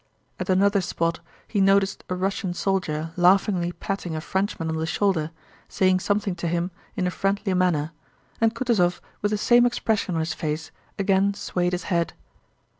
At another spot he noticed a Russian soldier laughingly patting a Frenchman on the shoulder, saying something to him in a friendly manner, and Kutúzov with the same expression on his face again swayed his head.